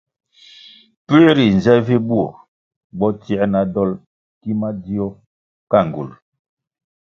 Pue rinze vi burʼ bo tsie na dolʼ ki madzio ka ngywulʼ?